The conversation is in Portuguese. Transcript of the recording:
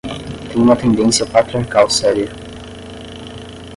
Tem uma tendência patriarcal séria